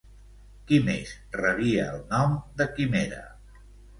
Qui més rebia el nom de Quimera?